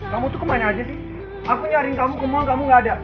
kamu tuh kemana aja sih aku nyaring kamu ke mall kamu gak ada